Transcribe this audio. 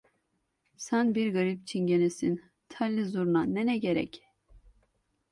Sen bir garip Çingenesin, telli zurna nene gerek.